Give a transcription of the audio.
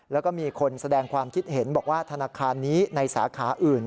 แล้วก็มีคนแสดงความคิดเห็นบอกว่าธนาคารนี้ในสาขาอื่น